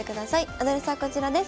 アドレスはこちらです。